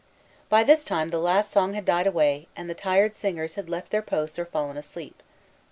By this time the last song had died away, and the tired singers had left their posts or fallen asleep.